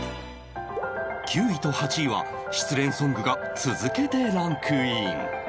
９位と８位は失恋ソングが続けてランクイン